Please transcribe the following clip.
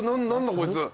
こいつ。